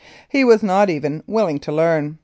He was not even will ing to learn.